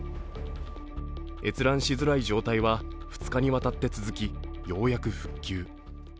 閲覧しづらい状態は２日にわたって続き、ようやく復旧。